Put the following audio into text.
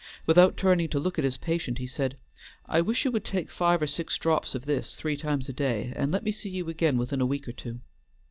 Without turning to look at his patient he said, "I wish you would take five or six drops of this three times a day, and let me see you again within a week or two."